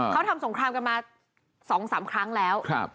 เขาทำสงครามกันมา๒๓ครั้งแล้ว